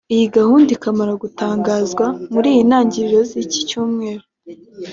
Iyi gahunda ikimara gutangazwa mu ntangiriro z’iki cyumweru